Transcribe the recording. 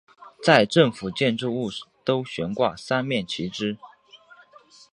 在政府建筑物都悬挂三面旗帜。